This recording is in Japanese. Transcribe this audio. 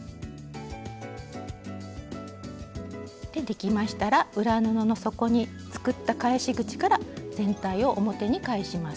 できましたら裏布の底に作った返し口から全体を表に返します。